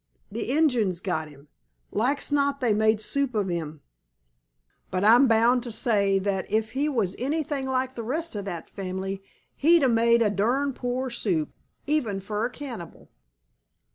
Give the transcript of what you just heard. The Injuns got him. Like's not they made soup of him. But I'm bound to say that if he was anything like the rest of that family he'd 'a' made dern poor soup, even fer a cannibal."